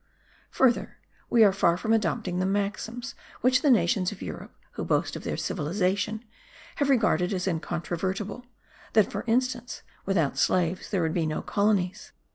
Further, we are far from adopting the maxims which the nations of Europe, who boast of their civilization, have regarded as incontrovertible; that, for instance, without slaves there could be no colonies.